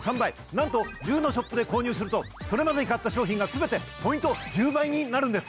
なんと１０のショップで購入するとそれまでに買った商品が全てポイント１０倍になるんです！